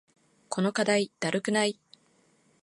この課題だるくない？